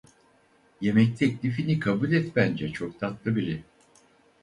Yemek teklifini kabul et bence, çok tatlı biri.